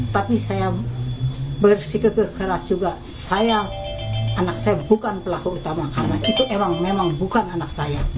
tapi saya bersika keras juga saya anak saya bukan pelaku utama karena itu memang bukan anak saya